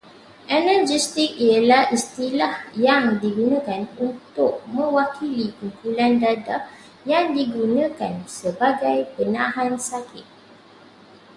Analgesik ialah istilah yang digunakan untuk mewakili kumpulan dadah yang digunakan sebagai penahan sakit